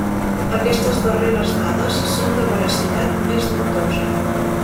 Aquestes darreres dades són de veracitat més dubtosa.